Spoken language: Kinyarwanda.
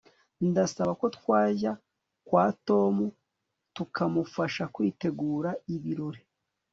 ndasaba ko twajya kwa tom tukamufasha kwitegura ibirori